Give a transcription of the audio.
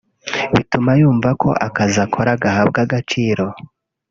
bituma yumva ko akazi akora gahabwa agaciro